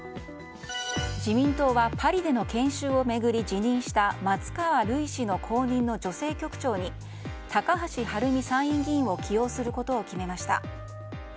自民党はパリでの研修を巡り辞任した松川るい氏の後任の女性局長に高橋はるみ参議院議員を起用することを決めました。